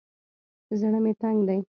زړه مې تنګ دى.